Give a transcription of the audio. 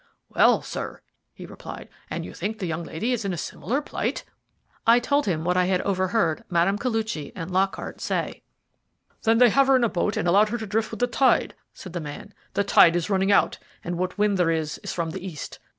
"Well, sir," he replied, "and you think the young lady is in a similar plight?" I told him what I had overheard Mme. Koluchy and Lockhart say. "Then they have put her in a boat and allowed her to drift with the tide," said the man. "The tide is running out, and what wind there is is from the east.